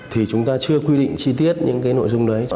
thì chúng ta chưa quy định chi tiết những cái nội dung đấy